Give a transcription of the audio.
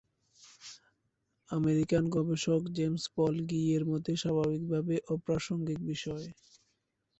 American গবেষক James Paul গি- এর মতে "স্বাভাবিকভাবে অপ্রাসঙ্গিক" বিষয়।